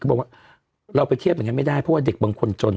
บอกว่าเราไปเทียบอย่างนั้นไม่ได้เพราะว่าเด็กบางคนจน